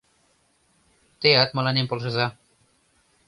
Теат мыланем полшыза.